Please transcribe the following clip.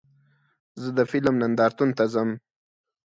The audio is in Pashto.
زه د فلم نندارتون ته ځم.